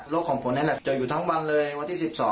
รถของผมน่ะจะอยู่ทั้งวันเลยวันที่๑๒